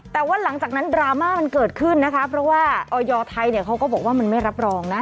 แต่ว่าหลังจากนั้นดราม่ามันเกิดขึ้นนะคะเพราะว่าออยไทยเนี่ยเขาก็บอกว่ามันไม่รับรองนะ